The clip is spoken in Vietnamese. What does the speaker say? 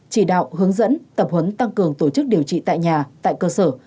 chỉ đạo hướng dẫn tập huấn tăng cường tổ chức điều trị tại nhà tại cơ sở